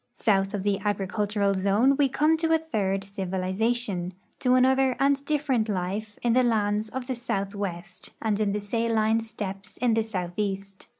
South of the agricultural zone we come to a third civilization, to another and different life, in the lands of the southwest and in the saline steppes in the southeast.